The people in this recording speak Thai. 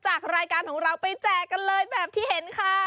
จากรายการของเราไปแจกกันเลยแบบที่เห็นค่ะ